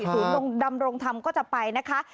หรือดำรงทำก็จะไปนะคะ